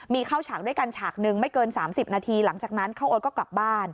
มีเข้าฉากด้วยกันฉากหนึ่งไม่เกิน๓๐นาทีหลังจากนั้นเข้าโอ๊ตก็กลับบ้าน